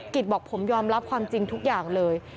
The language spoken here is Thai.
บอกผมยอมรับความจริงทุกอย่างเลย